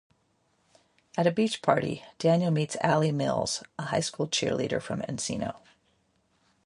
At a beach party, Daniel meets Ali Mills, a high school cheerleader from Encino.